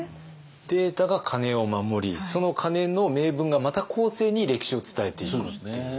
データが鐘を守りその鐘の銘文がまた後世に歴史を伝えていくっていう。